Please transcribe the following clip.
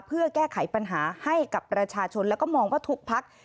เพื่อแก้ไขปัญหาให้กับประชาชนแล้วก็มองว่าทุกพัก